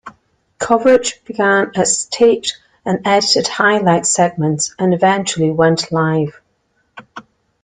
Coverage began as taped and edited highlight segments and eventually went live.